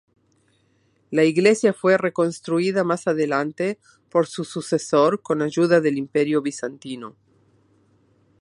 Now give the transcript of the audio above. La iglesia fue reconstruida más adelante por su sucesor con ayuda del Imperio Bizantino.